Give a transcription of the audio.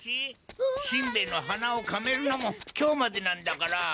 しんべヱのはなをかめるのも今日までなんだから。